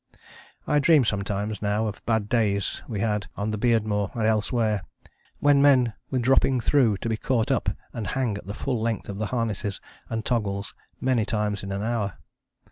I dream sometimes now of bad days we had on the Beardmore and elsewhere, when men were dropping through to be caught up and hang at the full length of the harnesses and toggles many times in an hour.